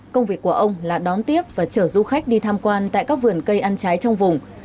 công việc của ông là đón tiếp và chở du khách đi tham quan tại các vườn cây ăn trái trong vùng